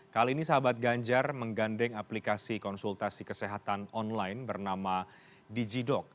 kali ini sahabat ganjar menggandeng aplikasi konsultasi kesehatan online bernama digidoc